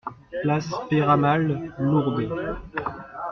Place Peyramale, Lourdes